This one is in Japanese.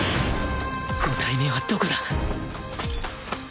５体目はどこだ！？